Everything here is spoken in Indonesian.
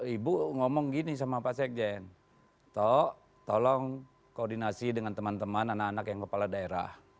ibu ngomong gini sama pak sekjen toh tolong koordinasi dengan teman teman anak anak yang kepala daerah